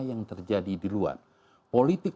yang terjadi di luar politik